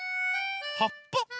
はっぱ？